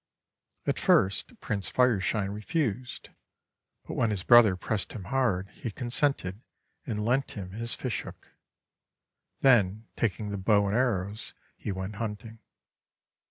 At first Prince Fireshine refused, but when his brother pressed him hard, he consented, and lent him his fish hook. Then taking the bow and arrows, he went hunting.